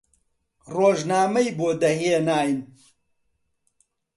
ڕۆژنامەی بۆ دەهێناین